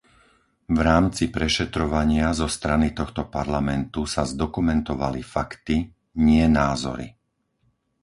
V rámci prešetrovania zo strany tohto Parlamentu sa zdokumentovali fakty, nie názory.